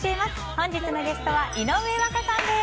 本日のゲストは井上和香さんです。